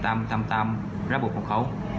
ตามระบบของเขา